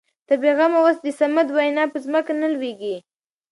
ته بې غمه اوسه د صمد وينه په ځمکه نه لوېږي.